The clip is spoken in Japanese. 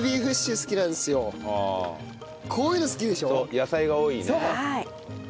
野菜が多いね。